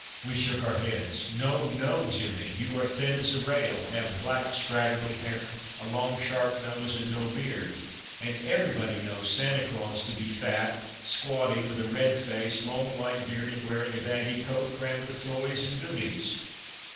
" We shook our heads. " No, no, Jimmy ; you are thin as a rail, have black, scraggly hair, a long, sharp nose Christmas under Three riags and no beard, and everybody knows Sancta Claus to be fat, squatty, with a red face, long white beard and wearing a baggy coat crammed with toys and goodies."